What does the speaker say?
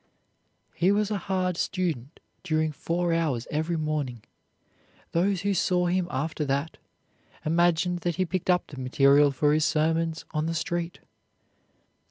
'" He was a hard student during four hours every morning; those who saw him after that imagined that he picked up the material for his sermons on the street.